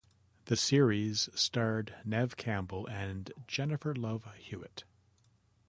The series starred Neve Campbell and Jennifer Love Hewitt.